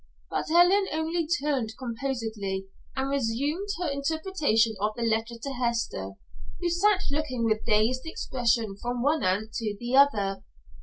But Ellen only turned composedly and resumed her interpretation of the letter to Hester, who sat looking with dazed expression from one aunt to the other.